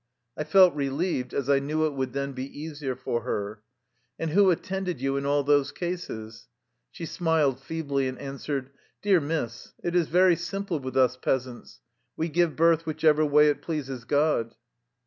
I felt relieved, as I knew it would then be easier for her. "And who attended you in all those cases?" She smiled feebly and answered : "Dear Miss, it is very simple with us peas ants. We give birth whichever way it pleases God."